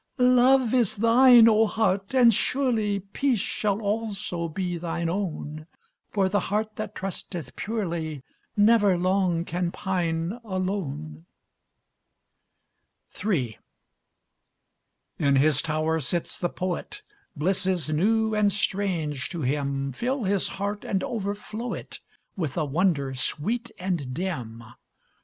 "Love is thine, O heart! and surely Peace shall also be thine own, For the heart that trusteth purely Never long can pine alone." III. In his tower sits the poet, Blisses new and strange to him Fill his heart and overflow it With a wonder sweet and dim.